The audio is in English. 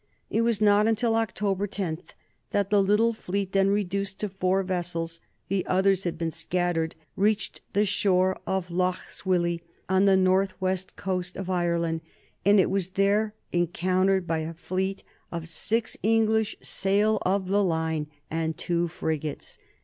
It was not until October 10 that the little fleet, then reduced to four vessels the others had been scattered reached the shore of Lough Swilly, on the northwest coast of Ireland, and was there encountered by a fleet of six English sail of the line and two frigates.